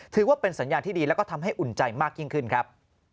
ถือว่าเป็นสัญญาณที่ดีแล้วก็ทำให้อุ่นใจมากยิ่งขึ้นครับ